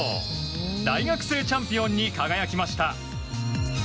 大学生チャンピオンに輝きました。